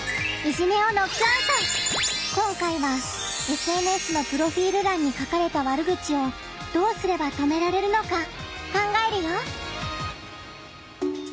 今回はＳＮＳのプロフィール欄に書かれた悪口をどうすれば止められるのか考えるよ！